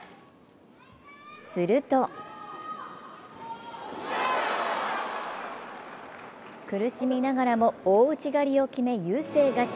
すると苦しみながらも大内刈りを決め優勢勝ち。